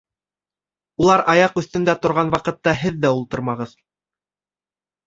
Улар аяҡ өҫтөндә торған ваҡытта һеҙ ҙә ултырмағыҙ!